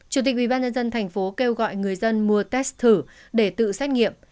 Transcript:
chủ tịch ubnd thành phố kêu gọi người dân mua test thử để tự xét nghiệm